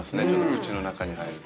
口の中に入ると。